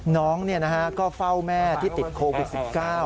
น้องก็เฝ้าแม่ที่ติดโควิด๑๙